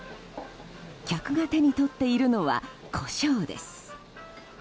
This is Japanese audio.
客が手に取っているのはコショウです。